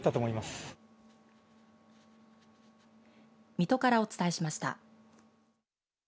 水戸からお伝えしました。